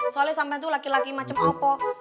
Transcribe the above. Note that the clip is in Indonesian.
soalnya sampean itu laki laki macam opo